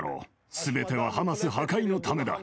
すべてはハマス破壊のためだ。